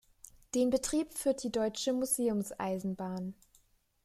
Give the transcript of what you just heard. Den Betrieb führt die Deutsche Museums-Eisenbahn.